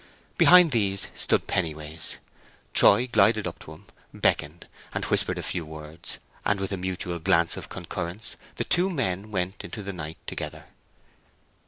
Behind these stood Pennyways. Troy glided up to him, beckoned, and whispered a few words; and with a mutual glance of concurrence the two men went into the night together.